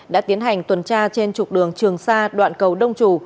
đã tiến hành tuần tra trên trục đường trường sa đoạn cầu đông trù